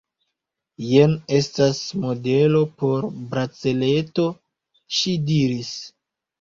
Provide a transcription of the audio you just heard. Jen estas modelo por braceleto, ŝi diris.